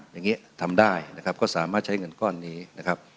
อย่างนี้ทำได้นะครับก็สามารถใช้เงินก้อนนี้นะครับ